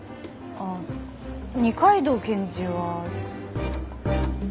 ああ二階堂検事は。